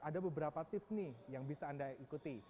ada beberapa tips nih yang bisa anda ikuti